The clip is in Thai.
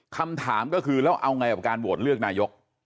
คำถามก็คือแล้วเอาไงกับการโหวตเลือกนายก